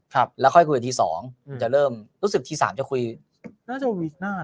ครับแล้วค่อยคุยกันทีสองอืมจะเริ่มรู้สึกทีสามจะคุยน่าจะวีคหน้า